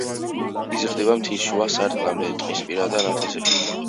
იზრდება მთის შუა სარტყლამდე ტყისპირებსა და ნათესებში.